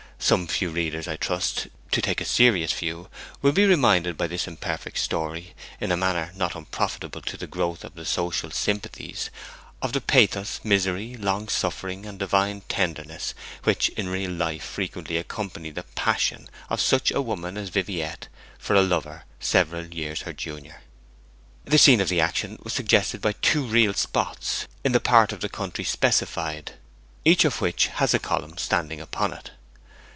Some few readers, I trust to take a serious view will be reminded by this imperfect story, in a manner not unprofitable to the growth of the social sympathies, of the pathos, misery, long suffering, and divine tenderness which in real life frequently accompany the passion of such a woman as Viviette for a lover several years her junior. The scene of the action was suggested by two real spots in the part of the country specified, each of which has a column standing upon it.